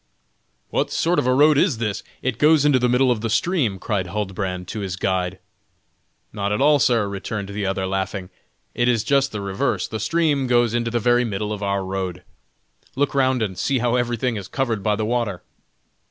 "What sort of a road is this? It goes into the middle of the stream." cried Huldbrand to his guide. "Not at all, sir." returned the other, laughing, "it is just the reverse, the stream goes into the very middle of our road. Look round and see how everything is covered by the water."